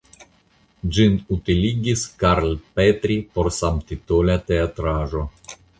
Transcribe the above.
Ĝin utiligis Karl Petri por samtitola teatraĵo.